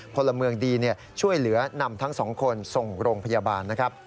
พลเมืองดีช่วยเหลือนำทั้ง๒คนส่งโรงพยาบาล